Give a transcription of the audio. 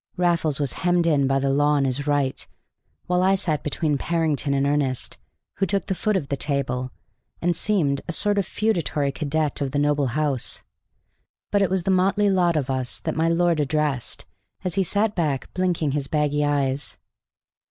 Raffles was hemmed in by the law on his right, while I sat between Parrington and Ernest, who took the foot of the table, and seemed a sort of feudatory cadet of the noble house. But it was the motley lot of us that my lord addressed, as he sat back blinking his baggy eyes.